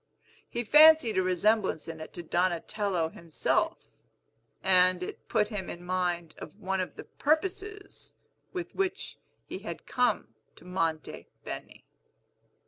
He fancied a resemblance in it to Donatello himself; and it put him in mind of one of the purposes with which he had come to Monte Beni.